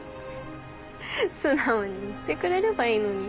素直に言ってくれればいいのに。